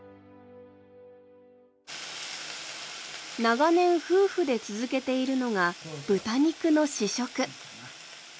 長年夫婦で続けているのが豚肉の試食。